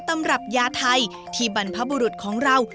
ตำรับยาไทยที่บรรพบุรุษของเรา